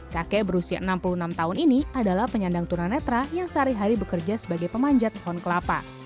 kakek berusia enam puluh enam tahun ini adalah penyandang tunanetra yang sehari hari bekerja sebagai pemanjat pohon kelapa